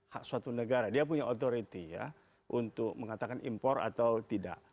hak suatu negara dia punya authority ya untuk mengatakan impor atau tidak